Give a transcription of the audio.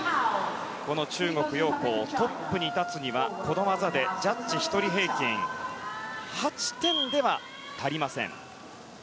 この中国、ヨウ・コウトップに立つにはこの技でジャッジ１人平均８点では足りません。